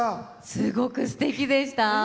すごくすてきでした。